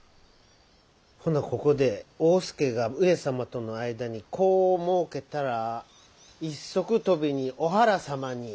ほなここで大典侍が上様との間に子をもうけたら一足飛びにお腹様に。